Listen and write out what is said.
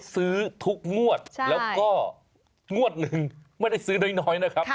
ซื้อเป็นชุดด้วย